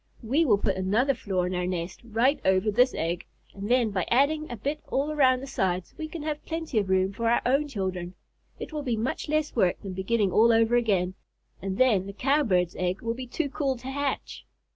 We will put another floor in our nest, right over this egg, and then by adding a bit all around the sides we can have plenty of room for our own children. It will be much less work than beginning all over again, and then the Cowbird's egg will be too cool to hatch."